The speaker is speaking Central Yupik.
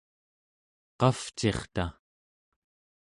qavcirta?